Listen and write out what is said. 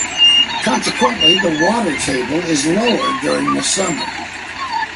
Consequently, the water table is lower during the summer.